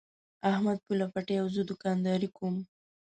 احمد پوله پټی او زه دوکانداري کوم.